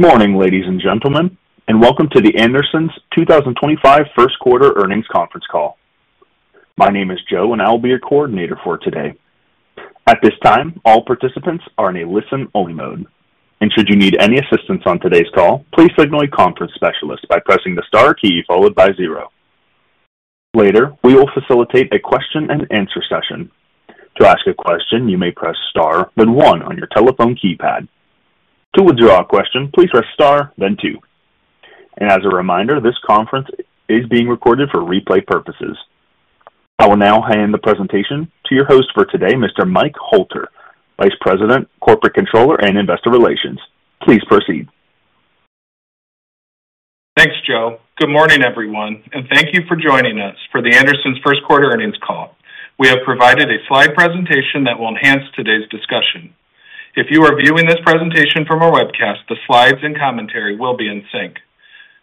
Good morning, ladies and gentlemen, and welcome to The Andersons 2025 First Quarter Earnings Conference Call. My name is Joe, and I'll be your coordinator for today. At this time, all participants are in a listen-only mode, and should you need any assistance on today's call, please signal a conference specialist by pressing the star key followed by zero. Later, we will facilitate a question-and-answer session. To ask a question, you may press star, then one on your telephone keypad. To withdraw a question, please press star, then two. As a reminder, this conference is being recorded for replay purposes. I will now hand the presentation to your host for today, Mr. Mike Hoelter, Vice President, Corporate Controller, and Investor Relations. Please proceed. Thanks, Joe. Good morning, everyone, and thank you for joining us for The Andersons First Quarter Earnings Call. We have provided a slide presentation that will enhance today's discussion. If you are viewing this presentation from a webcast, the slides and commentary will be in sync.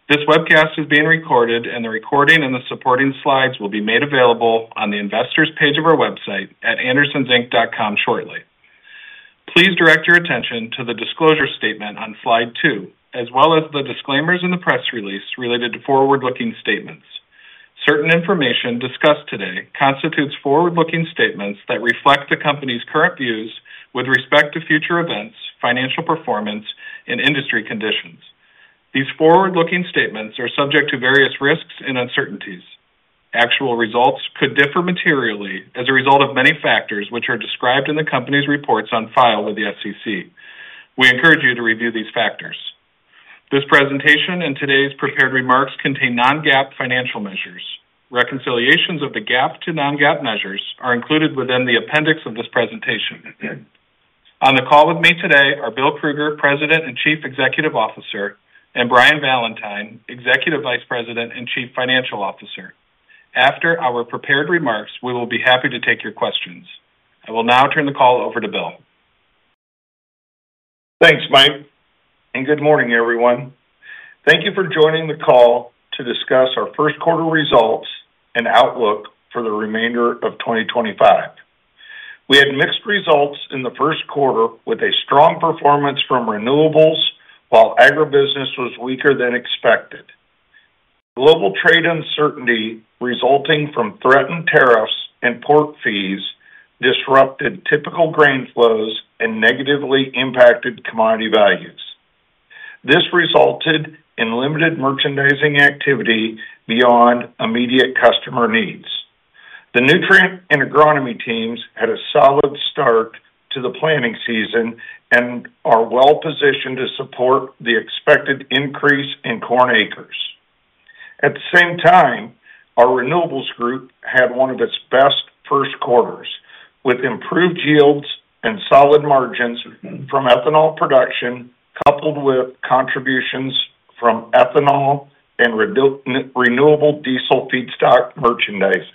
This webcast is being recorded, and the recording and the supporting slides will be made available on the investors page of our website at AndersonsInc.com shortly. Please direct your attention to the disclosure statement on slide two, as well as the disclaimers in the press release related to forward-looking statements. Certain information discussed today constitutes forward-looking statements that reflect the company's current views with respect to future events, financial performance, and industry conditions. These forward-looking statements are subject to various risks and uncertainties. Actual results could differ materially as a result of many factors which are described in the company's reports on file with the SEC. We encourage you to review these factors. This presentation and today's prepared remarks contain non-GAAP financial measures. Reconciliations of the GAAP to non-GAAP measures are included within the appendix of this presentation. On the call with me today are Bill Krueger, President and Chief Executive Officer, and Brian Valentine, Executive Vice President and Chief Financial Officer. After our prepared remarks, we will be happy to take your questions. I will now turn the call over to Bill. Thanks, Mike. Good morning, everyone. Thank you for joining the call to discuss our first quarter results and outlook for the remainder of 2025. We had mixed results in the first quarter with a strong performance from renewables, while agribusiness was weaker than expected. Global trade uncertainty resulting from threatened tariffs and port fees disrupted typical grain flows and negatively impacted commodity values. This resulted in limited merchandising activity beyond immediate customer needs. The nutrient and agronomy teams had a solid start to the planning season and are well-positioned to support the expected increase in corn acres. At the same time, our renewables group had one of its best first quarters with improved yields and solid margins from ethanol production, coupled with contributions from ethanol and renewable diesel feedstock merchandising.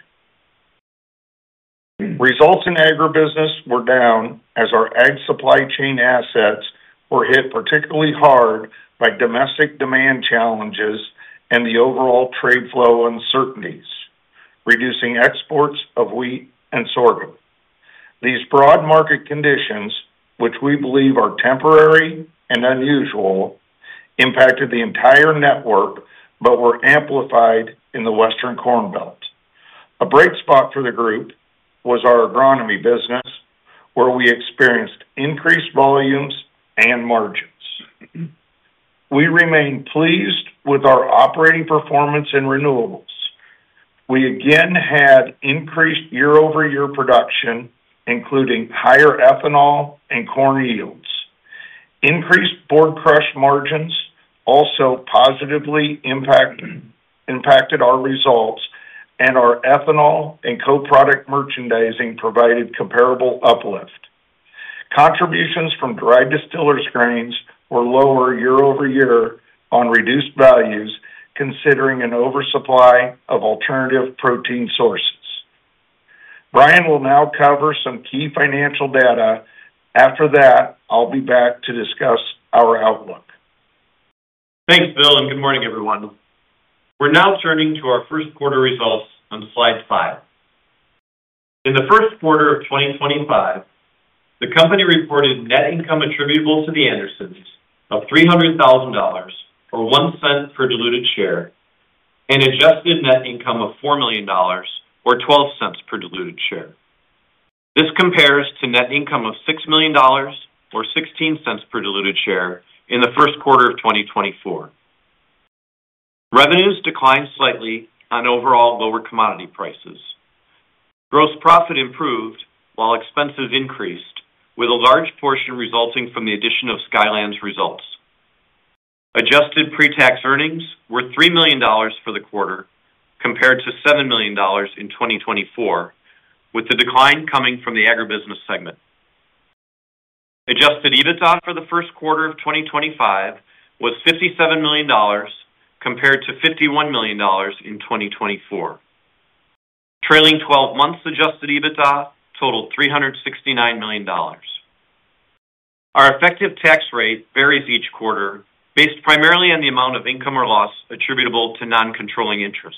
Results in agribusiness were down as our Ag supply chain assets were hit particularly hard by domestic demand challenges and the overall trade flow uncertainties, reducing exports of wheat and sorghum. These broad market conditions, which we believe are temporary and unusual, impacted the entire network but were amplified in the western corn belt. A bright spot for the group was our agronomy business, where we experienced increased volumes and margins. We remain pleased with our operating performance in renewables. We again had increased year-over-year production, including higher ethanol and corn yields. Increased board crush margins also positively impacted our results, and our ethanol and co-product merchandising provided comparable uplift. Contributions from dried distillers' grains were lower year-over-year on reduced values, considering an oversupply of alternative protein sources. Brian will now cover some key financial data. After that, I'll be back to discuss our outlook. Thanks, Bill, and good morning, everyone. We're now turning to our first quarter results on slide five. In the first quarter of 2025, the company reported net income attributable to The Andersons of $300,000 or $0.01 per diluted share and adjusted net income of $4 million or $0.12 per diluted share. This compares to net income of $6 million or $0.16 per diluted share in the first quarter of 2024. Revenues declined slightly on overall lower commodity prices. Gross profit improved while expenses increased, with a large portion resulting from the addition of Skylan's results. Adjusted pre-tax earnings were $3 million for the quarter, compared to $7 million in 2024, with the decline coming from the agribusiness segment. Adjusted EBITDA for the first quarter of 2025 was $57 million, compared to $51 million in 2024. Trailing 12 months adjusted EBITDA total $369 million. Our effective tax rate varies each quarter, based primarily on the amount of income or loss attributable to non-controlling interest.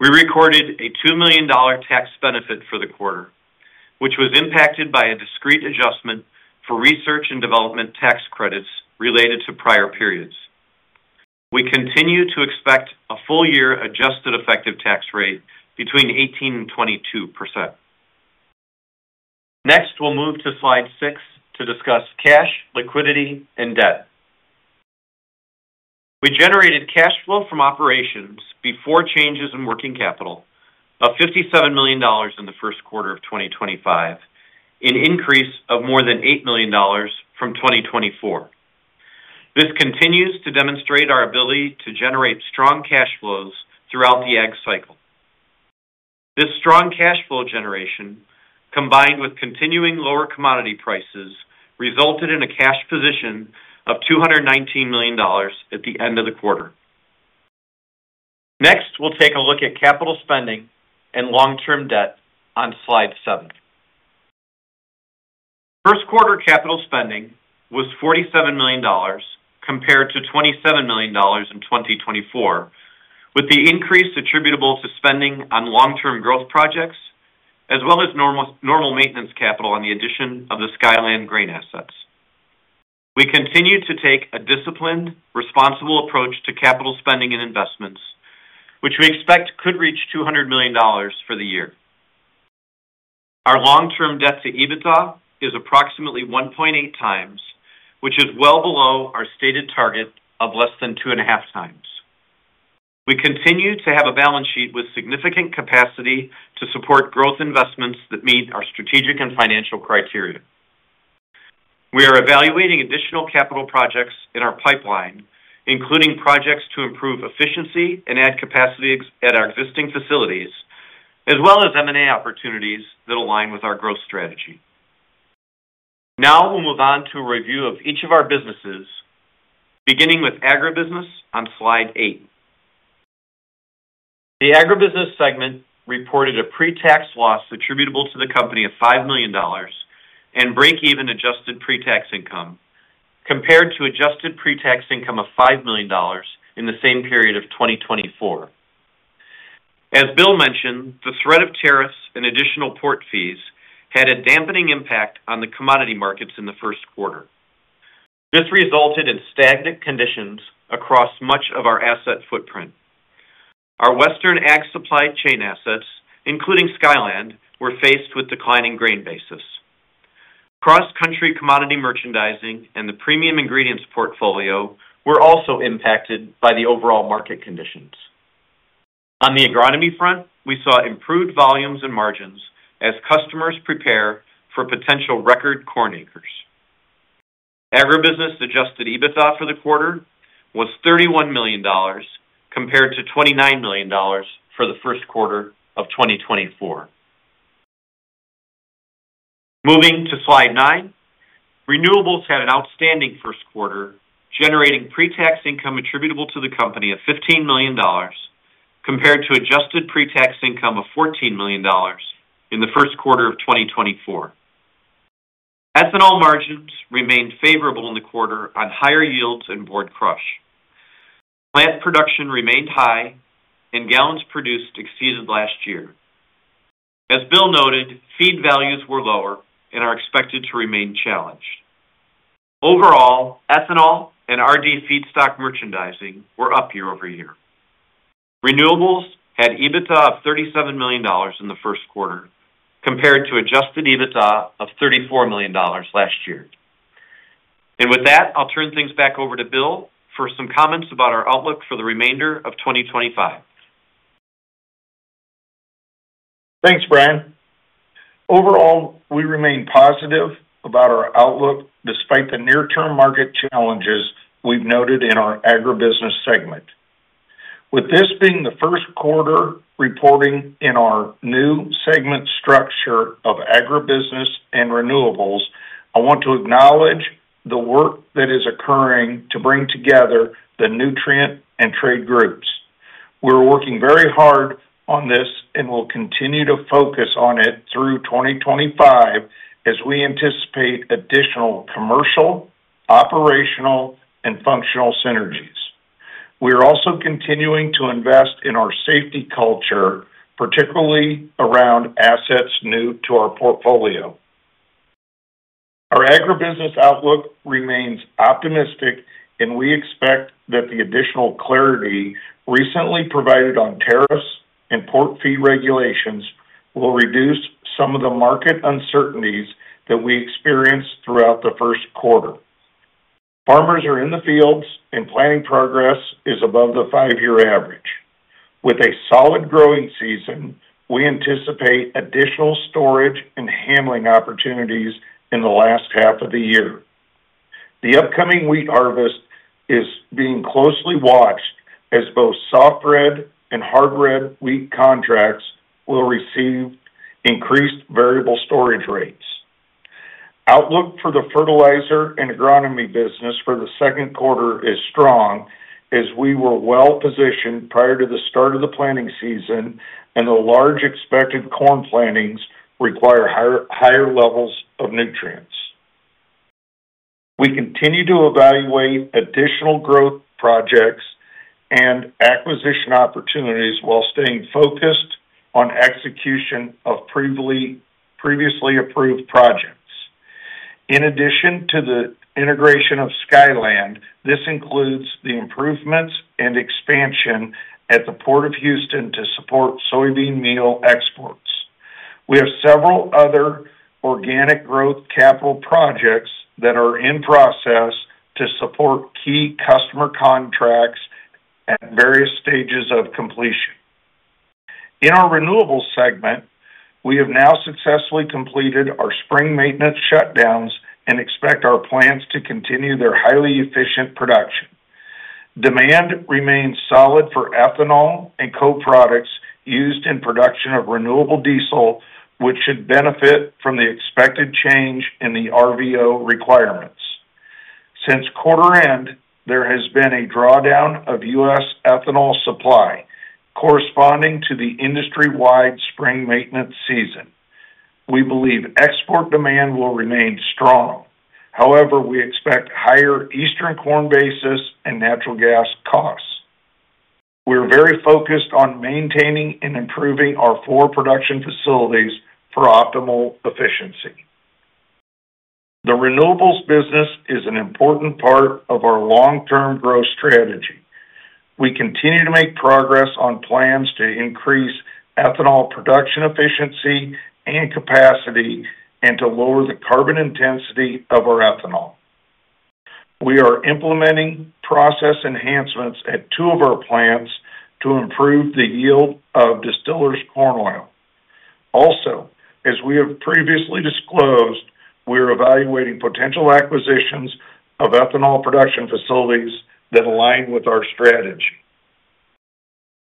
We recorded a $2 million tax benefit for the quarter, which was impacted by a discreet adjustment for research and development tax credits related to prior periods. We continue to expect a full-year adjusted effective tax rate between 18% and 22%. Next, we'll move to slide six to discuss cash, liquidity, and debt. We generated cash flow from operations before changes in working capital of $57 million in the first quarter of 2025, an increase of more than $8 million from 2024. This continues to demonstrate our ability to generate strong cash flows throughout the ag cycle. This strong cash flow generation, combined with continuing lower commodity prices, resulted in a cash position of $219 million at the end of the quarter. Next, we'll take a look at capital spending and long-term debt on slide seven. First quarter capital spending was $47 million, compared to $27 million in 2024, with the increase attributable to spending on long-term growth projects, as well as normal maintenance capital on the addition of the Skylan Grain assets. We continue to take a disciplined, responsible approach to capital spending and investments, which we expect could reach $200 million for the year. Our long-term debt to EBITDA is approximately 1.8 times, which is well below our stated target of less than 2.5 times. We continue to have a balance sheet with significant capacity to support growth investments that meet our strategic and financial criteria. We are evaluating additional capital projects in our pipeline, including projects to improve efficiency and add capacity at our existing facilities, as well as M&A opportunities that align with our growth strategy. Now we'll move on to a review of each of our businesses, beginning with agribusiness on slide eight. The agribusiness segment reported a pre-tax loss attributable to the company of $5 million and break-even adjusted pre-tax income, compared to adjusted pre-tax income of $5 million in the same period of 2024. As Bill mentioned, the threat of tariffs and additional port fees had a dampening impact on the commodity markets in the first quarter. This resulted in stagnant conditions across much of our asset footprint. Our western ag supply chain assets, including Skylan, were faced with declining grain basis. Cross-country commodity merchandising and the premium ingredients portfolio were also impacted by the overall market conditions. On the agronomy front, we saw improved volumes and margins as customers prepare for potential record corn acres. Agribusiness adjusted EBITDA for the quarter was $31 million, compared to $29 million for the first quarter of 2024. Moving to slide nine, renewables had an outstanding first quarter, generating pre-tax income attributable to the company of $15 million, compared to adjusted pre-tax income of $14 million in the first quarter of 2024. Ethanol margins remained favorable in the quarter on higher yields and board crush. Plant production remained high, and gallons produced exceeded last year. As Bill noted, feed values were lower and are expected to remain challenged. Overall, ethanol and RD feedstock merchandising were up year-over-year. Renewables had EBITDA of $37 million in the first quarter, compared to adjusted EBITDA of $34 million last year. With that, I'll turn things back over to Bill for some comments about our outlook for the remainder of 2025. Thanks, Brian. Overall, we remain positive about our outlook despite the near-term market challenges we've noted in our agribusiness segment. With this being the first quarter reporting in our new segment structure of agribusiness and renewables, I want to acknowledge the work that is occurring to bring together the nutrient and trade groups. We're working very hard on this and will continue to focus on it through 2025 as we anticipate additional commercial, operational, and functional synergies. We are also continuing to invest in our safety culture, particularly around assets new to our portfolio. Our agribusiness outlook remains optimistic, and we expect that the additional clarity recently provided on tariffs and port fee regulations will reduce some of the market uncertainties that we experienced throughout the first quarter. Farmers are in the fields, and planting progress is above the five-year average. With a solid growing season, we anticipate additional storage and handling opportunities in the last half of the year. The upcoming wheat harvest is being closely watched as both soft bread and hard bread wheat contracts will receive increased variable storage rates. Outlook for the fertilizer and agronomy business for the second quarter is strong as we were well-positioned prior to the start of the planting season, and the large expected corn plantings require higher levels of nutrients. We continue to evaluate additional growth projects and acquisition opportunities while staying focused on execution of previously approved projects. In addition to the integration of Skylan, this includes the improvements and expansion at the Port of Houston to support soybean meal exports. We have several other organic growth capital projects that are in process to support key customer contracts at various stages of completion. In our renewables segment, we have now successfully completed our spring maintenance shutdowns and expect our plants to continue their highly efficient production. Demand remains solid for ethanol and co-products used in production of renewable diesel, which should benefit from the expected change in the RVO requirements. Since quarter-end, there has been a drawdown of U.S. ethanol supply corresponding to the industry-wide spring maintenance season. We believe export demand will remain strong. However, we expect higher eastern corn basis and natural gas costs. We are very focused on maintaining and improving our four production facilities for optimal efficiency. The renewables business is an important part of our long-term growth strategy. We continue to make progress on plans to increase ethanol production efficiency and capacity and to lower the carbon intensity of our ethanol. We are implementing process enhancements at two of our plants to improve the yield of distillers corn oil. Also, as we have previously disclosed, we are evaluating potential acquisitions of ethanol production facilities that align with our strategy.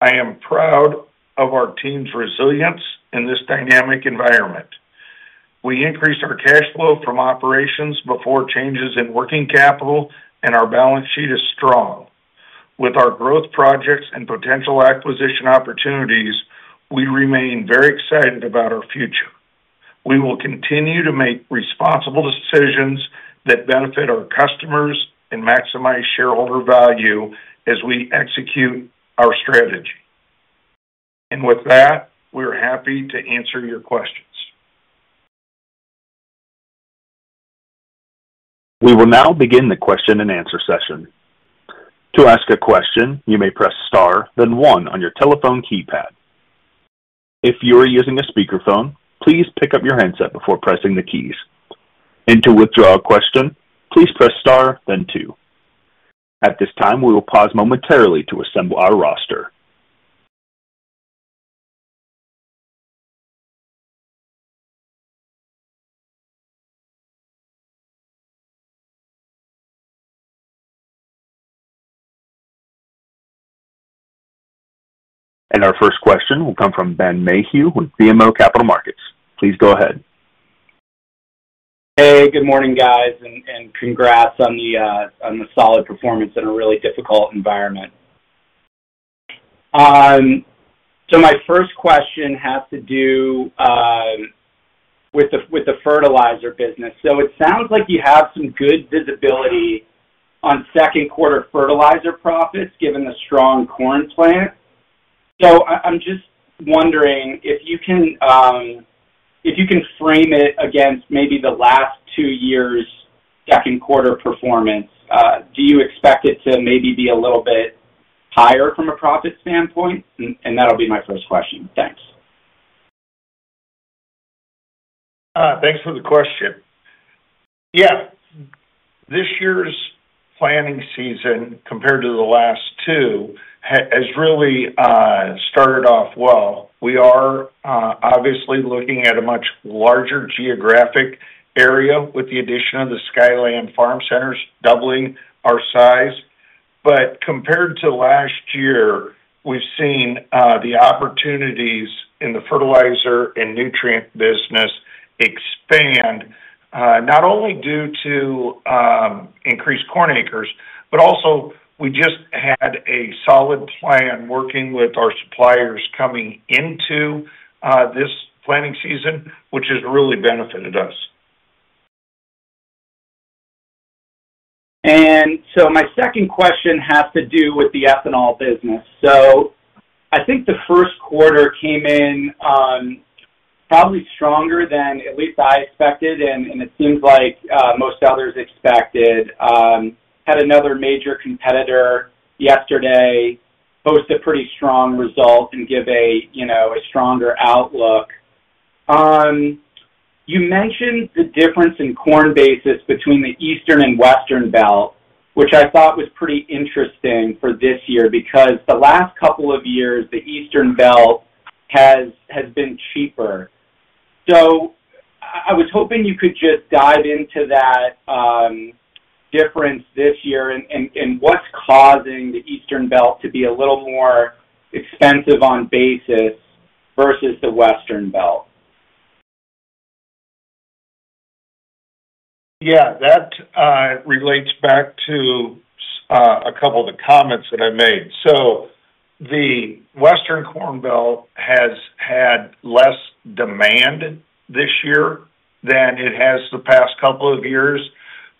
I am proud of our team's resilience in this dynamic environment. We increased our cash flow from operations before changes in working capital, and our balance sheet is strong. With our growth projects and potential acquisition opportunities, we remain very excited about our future. We will continue to make responsible decisions that benefit our customers and maximize shareholder value as we execute our strategy. We are happy to answer your questions. We will now begin the question and answer session. To ask a question, you may press star, then one on your telephone keypad. If you are using a speakerphone, please pick up your handset before pressing the keys. To withdraw a question, please press star, then two. At this time, we will pause momentarily to assemble our roster. Our first question will come from Ben Mayhew with BMO Capital Markets. Please go ahead. Hey, good morning, guys, and congrats on the solid performance in a really difficult environment. My first question has to do with the fertilizer business. It sounds like you have some good visibility on second-quarter fertilizer profits given the strong corn plant. I'm just wondering if you can frame it against maybe the last two years' second-quarter performance. Do you expect it to maybe be a little bit higher from a profit standpoint? That'll be my first question. Thanks. Thanks for the question. Yeah. This year's planting season, compared to the last two, has really started off well. We are obviously looking at a much larger geographic area with the addition of the Skylan Farm Centers, doubling our size. But compared to last year, we've seen the opportunities in the fertilizer and nutrient business expand, not only due to increased corn acres, but also we just had a solid plan working with our suppliers coming into this planting season, which has really benefited us. My second question has to do with the ethanol business. I think the first quarter came in probably stronger than at least I expected, and it seems like most others expected. Had another major competitor yesterday post a pretty strong result and give a stronger outlook. You mentioned the difference in corn basis between the eastern and western belt, which I thought was pretty interesting for this year because the last couple of years, the eastern belt has been cheaper. I was hoping you could just dive into that difference this year and what is causing the eastern belt to be a little more expensive on basis versus the western belt? Yeah. That relates back to a couple of the comments that I made. The western corn belt has had less demand this year than it has the past couple of years.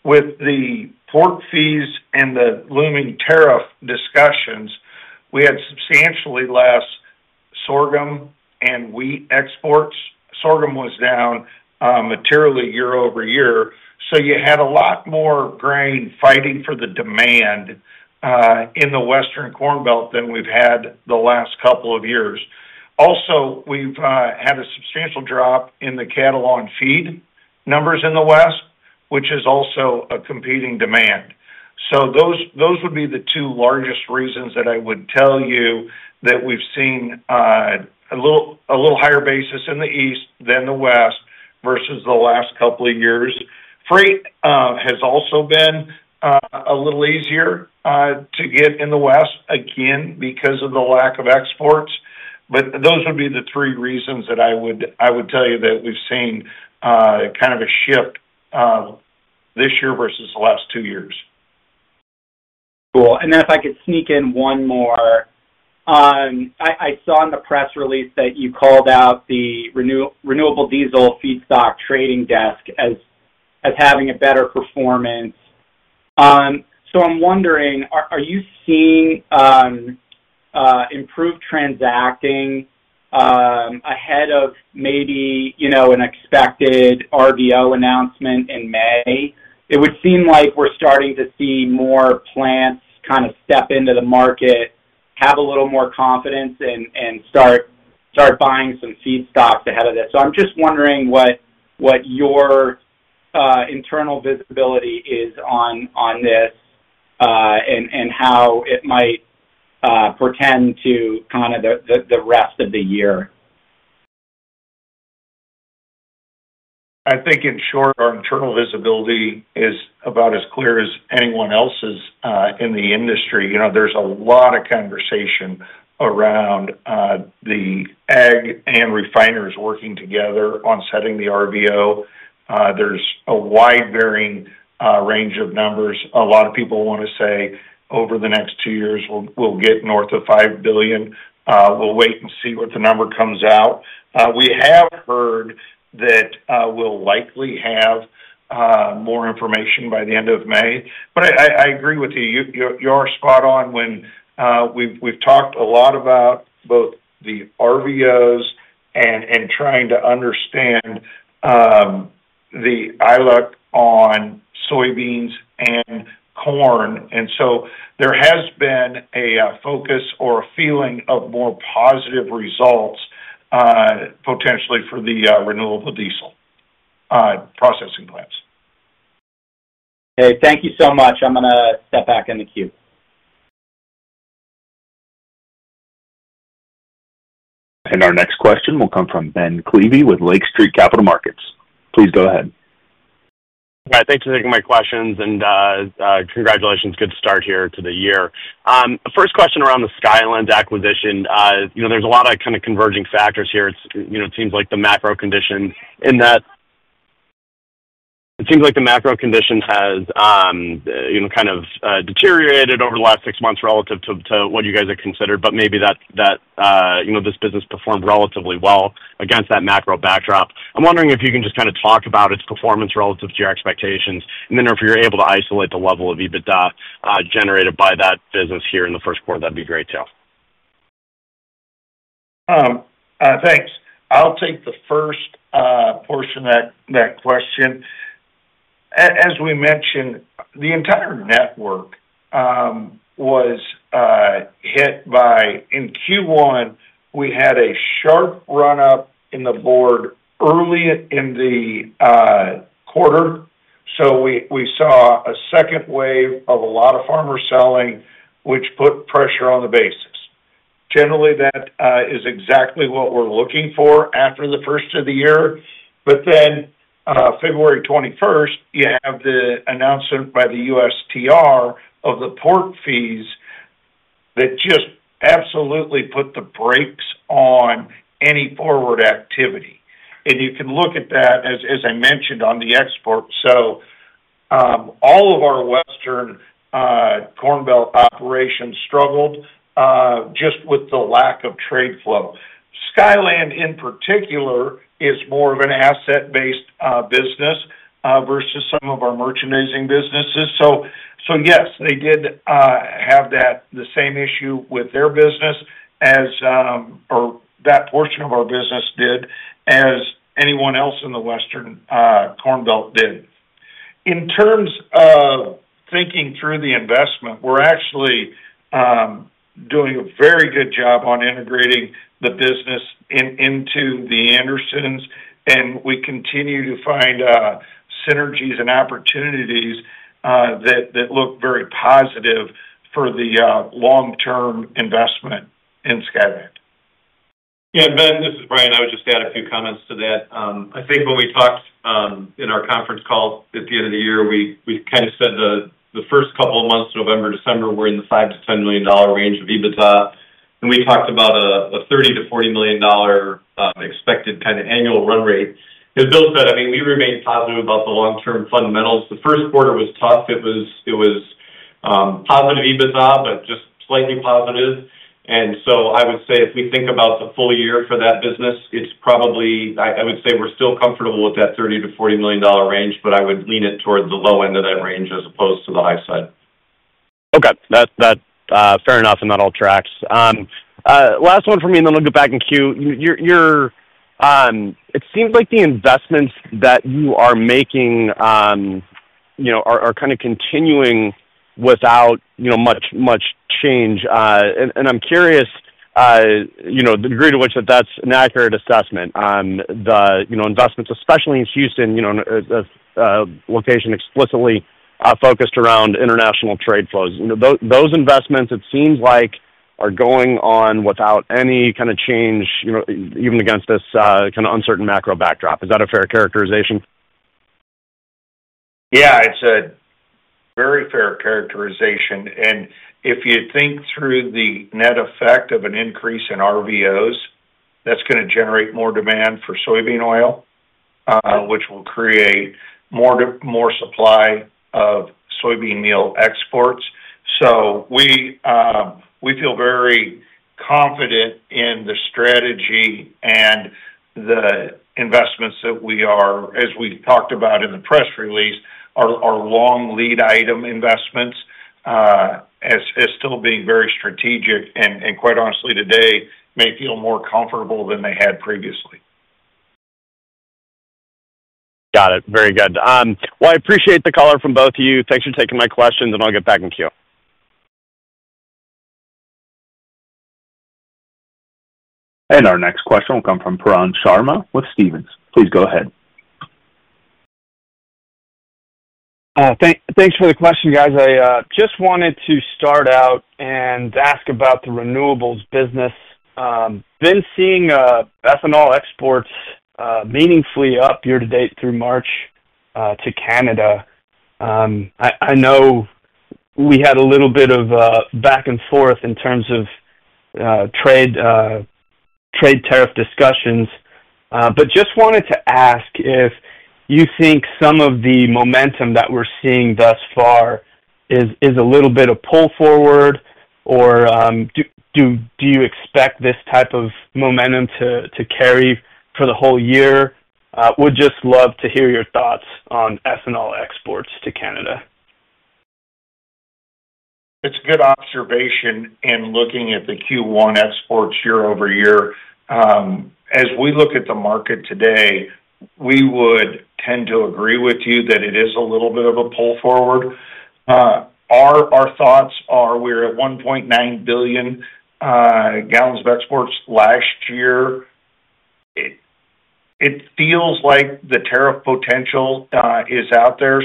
With the port fees and the looming tariff discussions, we had substantially less sorghum and wheat exports. Sorghum was down materially year-over-year. You had a lot more grain fighting for the demand in the western corn belt than we've had the last couple of years. Also, we've had a substantial drop in the cattle on feed numbers in the west, which is also a competing demand. Those would be the two largest reasons that I would tell you that we've seen a little higher basis in the east than the west versus the last couple of years. Freight has also been a little easier to get in the west, again, because of the lack of exports. Those would be the three reasons that I would tell you that we've seen kind of a shift this year versus the last two years. Cool. If I could sneak in one more. I saw in the press release that you called out the renewable diesel feedstock trading desk as having a better performance. I am wondering, are you seeing improved transacting ahead of maybe an expected RVO announcement in May? It would seem like we are starting to see more plants kind of step into the market, have a little more confidence, and start buying some feedstocks ahead of this. I am just wondering what your internal visibility is on this and how it might pertain to kind of the rest of the year. I think in short, our internal visibility is about as clear as anyone else's in the industry. There is a lot of conversation around the ag and refineries working together on setting the RVO. There is a wide varying range of numbers. A lot of people want to say over the next two years, we will get north of 5 billion. We will wait and see what the number comes out. We have heard that we will likely have more information by the end of May. I agree with you. You are spot on when we have talked a lot about both the RVOs and trying to understand the outlook on soybeans and corn. There has been a focus or a feeling of more positive results potentially for the renewable diesel processing plants. Okay. Thank you so much. I'm going to step back in the queue. Our next question will come from Ben Klieve with Lake Street Capital Markets. Please go ahead. Hi. Thanks for taking my questions. Congratulations. Good start here to the year. First question around the Skylan acquisition. There are a lot of kind of converging factors here. It seems like the macro condition in that it seems like the macro condition has kind of deteriorated over the last six months relative to what you guys had considered, but maybe that this business performed relatively well against that macro backdrop. I'm wondering if you can just kind of talk about its performance relative to your expectations. If you're able to isolate the level of EBITDA generated by that business here in the first quarter, that would be great too. Thanks. I'll take the first portion of that question. As we mentioned, the entire network was hit by in Q1, we had a sharp run-up in the board early in the quarter. We saw a second wave of a lot of farmers selling, which put pressure on the basis. Generally, that is exactly what we're looking for after the first of the year. February 21st, you have the announcement by the USTR of the port fees that just absolutely put the brakes on any forward activity. You can look at that, as I mentioned, on the export. All of our western corn belt operations struggled just with the lack of trade flow. Skylan, in particular, is more of an asset-based business versus some of our merchandising businesses. Yes, they did have the same issue with their business or that portion of our business did as anyone else in the western corn belt did. In terms of thinking through the investment, we're actually doing a very good job on integrating the business into The Andersons. We continue to find synergies and opportunities that look very positive for the long-term investment in Skylan. Yeah. Ben, this is Brian. I would just add a few comments to that. I think when we talked in our conference call at the end of the year, we kind of said the first couple of months, November, December, were in the $5 million-$10 million range of EBITDA. And we talked about a $30 million-$40 million expected kind of annual run rate. It built that. I mean, we remained positive about the long-term fundamentals. The first quarter was tough. It was positive EBITDA, but just slightly positive. I would say if we think about the full year for that business, it's probably, I would say we're still comfortable with that $30 million-$40 million range, but I would lean it toward the low end of that range as opposed to the high side. Okay. Fair enough. That all tracks. Last one for me, then I'll get back in queue. It seems like the investments that you are making are kind of continuing without much change. I'm curious to the degree to which that's an accurate assessment. The investments, especially in Houston, a location explicitly focused around international trade flows. Those investments, it seems like, are going on without any kind of change, even against this kind of uncertain macro backdrop. Is that a fair characterization? Yeah. It's a very fair characterization. If you think through the net effect of an increase in RVOs, that's going to generate more demand for soybean oil, which will create more supply of soybean meal exports. We feel very confident in the strategy and the investments that we are, as we've talked about in the press release, our long lead item investments as still being very strategic and, quite honestly, today may feel more comfortable than they had previously. Got it. Very good. I appreciate the color from both of you. Thanks for taking my questions, and I'll get back in queue. Our next question will come from Pran Sharma with Stevens. Please go ahead. Thanks for the question, guys. I just wanted to start out and ask about the renewables business. Been seeing ethanol exports meaningfully up year to date through March to Canada. I know we had a little bit of back and forth in terms of trade tariff discussions, but just wanted to ask if you think some of the momentum that we're seeing thus far is a little bit of pull forward, or do you expect this type of momentum to carry for the whole year? Would just love to hear your thoughts on ethanol exports to Canada. It's a good observation in looking at the Q1 exports year over year. As we look at the market today, we would tend to agree with you that it is a little bit of a pull forward. Our thoughts are we're at 1.9 billion gallons of exports last year. It feels like the tariff potential is out there.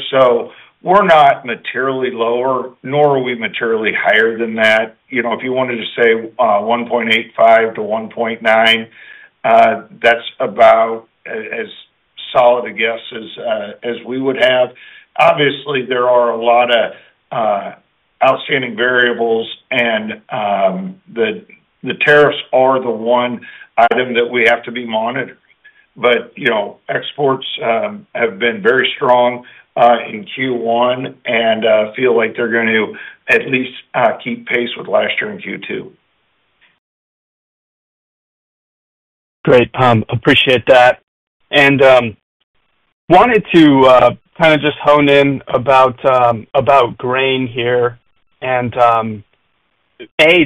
We are not materially lower, nor are we materially higher than that. If you wanted to say 1.85-1.9, that's about as solid a guess as we would have. Obviously, there are a lot of outstanding variables, and the tariffs are the one item that we have to be monitored. Exports have been very strong in Q1 and feel like they're going to at least keep pace with last year in Q2. Great. Appreciate that. I wanted to kind of just hone in about grain here. A,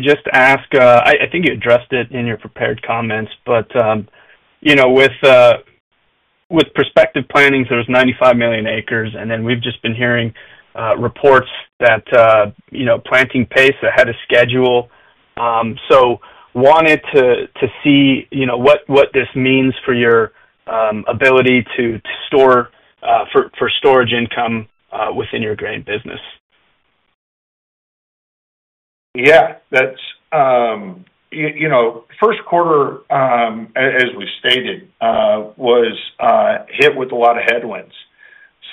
just ask, I think you addressed it in your prepared comments, but with prospective plantings, there is 95 million acres, and then we have just been hearing reports that planting pace is ahead of schedule. I wanted to see what this means for your ability to store for storage income within your grain business? Yeah. First quarter, as we stated, was hit with a lot of headwinds.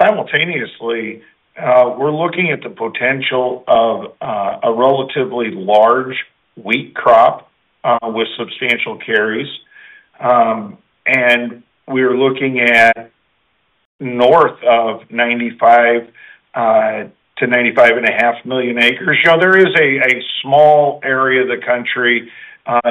Simultaneously, we're looking at the potential of a relatively large wheat crop with substantial carries. And we are looking at north of 95-95.5 million acres. There is a small area of the country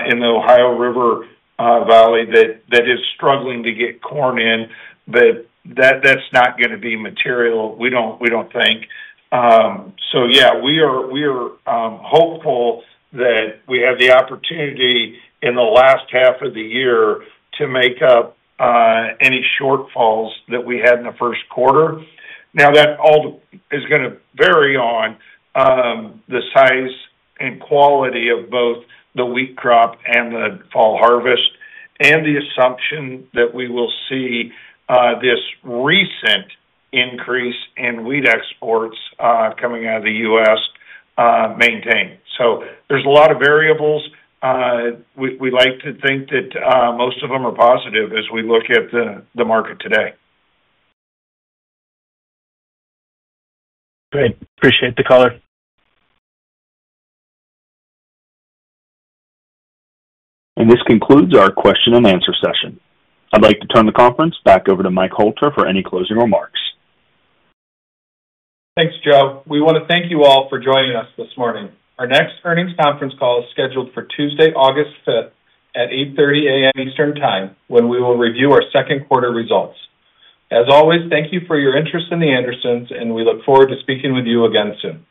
in the Ohio River Valley that is struggling to get corn in, but that's not going to be material, we don't think. Yeah, we are hopeful that we have the opportunity in the last half of the year to make up any shortfalls that we had in the first quarter. Now, that all is going to vary on the size and quality of both the wheat crop and the fall harvest, and the assumption that we will see this recent increase in wheat exports coming out of the U.S. maintained. There is a lot of variables. We like to think that most of them are positive as we look at the market today. Great. Appreciate the color. This concludes our question and answer session. I'd like to turn the conference back over to Mike Hoelter for any closing remarks. Thanks, Joe. We want to thank you all for joining us this morning. Our next earnings conference call is scheduled for Tuesday, August 5th at 8:30 A.M. Eastern Time, when we will review our second quarter results. As always, thank you for your interest in The Andersons, and we look forward to speaking with you again soon.